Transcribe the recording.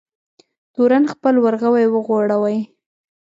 تورن خپل ورغوی وغوړوی.